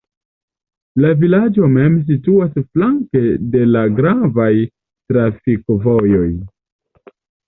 La vilaĝo mem situas flanke de la gravaj trafikvojoj.